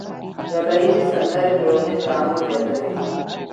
ډلهییزې سندرې ټولنیز تعامل زیاتوي.